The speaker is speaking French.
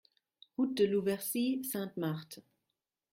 Route de Louversey, Sainte-Marthe